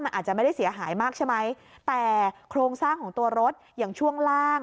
มันอาจจะไม่ได้เสียหายมากใช่ไหมแต่โครงสร้างของตัวรถอย่างช่วงล่าง